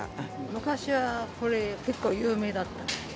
昔はこれ、結構有名だった。